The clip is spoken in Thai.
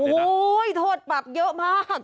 โอ้โหโทษปรับเยอะมาก